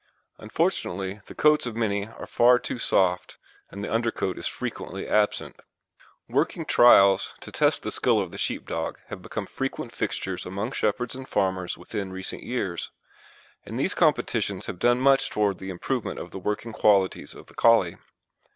Unfortunately the coats of many are far too soft and the undercoat is frequently absent. Working trials to test the skill of the sheepdog have become frequent fixtures among shepherds and farmers within recent years, and these competitions have done much towards the improvement of the working qualities of the Collie.